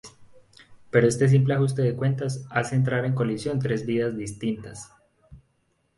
Pero este simple ajuste de cuentas hace entrar en colisión tres vidas distintas.